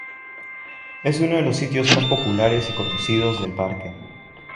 Es uno de los sitios más populares y conocidos del parque.